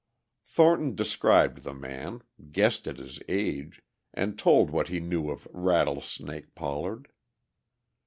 Thornton described the man, guessed at his age, and told what he knew of "Rattlesnake" Pollard.